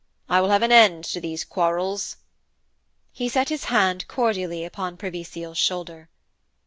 'I will have an end to these quarrels.' He set his hand cordially upon Privy Seal's shoulder.